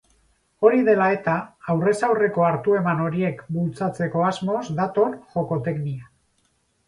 Hori dela eta, aurrez aurreko hartu-eman horiek bultzatzeko asmoz dator Jokoteknia